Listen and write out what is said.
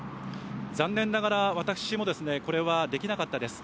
残念ながら、私もこれはできなかったです。